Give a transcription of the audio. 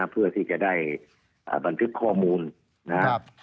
เพื่อที่จะได้บันทึกข้อมูลนะครับ